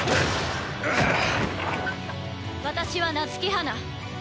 私は夏木花。